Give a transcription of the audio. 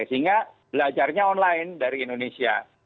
sehingga belajarnya online dari indonesia